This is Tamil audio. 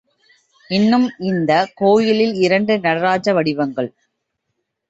இன்னும் இந்தக் கோயிலில் இரண்டு நடராஜ வடிவங்கள்.